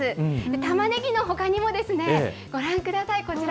タマネギのほかにも、ご覧ください、こちら。